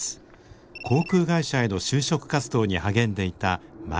航空会社への就職活動に励んでいた舞。